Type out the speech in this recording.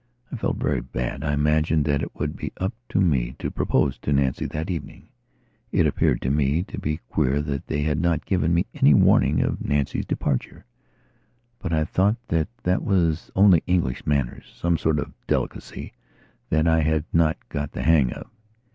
I felt very bad; I imagined that it would be up to me to propose to Nancy that evening. It appeared to me to be queer that they had not given me any warning of Nancy's departureBut I thought that that was only English mannerssome sort of delicacy that I had not got the hang of.